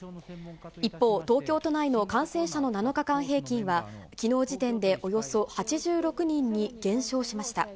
一方、東京都内の感染者の７日間平均は、きのう時点でおよそ８６人に減少しました。